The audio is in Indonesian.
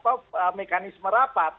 apa mekanisme rapat